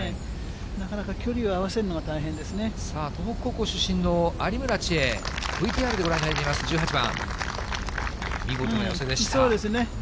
なかなか距離を合わせるのが大変東北高校出身の有村智恵、ＶＴＲでご覧いただいています、１８番。